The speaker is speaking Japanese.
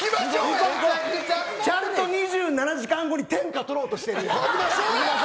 ちゃんと２７時間後に天下取ろうとしてるやん。